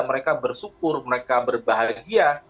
mereka bersyukur mereka berbahagia